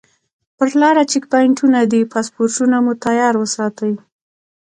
پر لاره چیک پواینټونه دي پاسپورټونه مو تیار وساتئ.